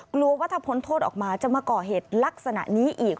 กลัวว่าถ้าพ้นโทษออกมาจะมาก่อเหตุลักษณะนี้อีก